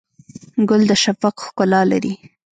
ګل د شفق ښکلا لري.